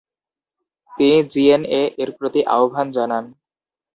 তিনি জিএনএ এর প্রতি আহ্বান জানান।